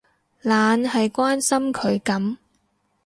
懶係關心佢噉